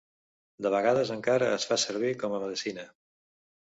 De vegades encara es fa servir com a medecina.